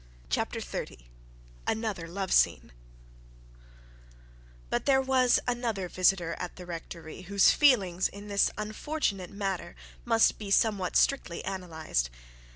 CHAPTER XXX ANOTHER LOVE SCENE But there was another visitor at the rectory whose feelings in this unfortunate matter must be somewhat strictly analysed.